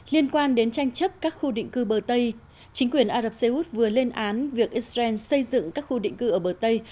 liên quan đến tranh chấp các khu định cư bờ tây chính quyền ả rập xê út vừa lên án việc israel xây dựng các khu định cư ở bờ tây